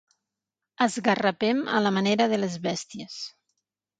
Esgarrapem a la manera de les bèsties.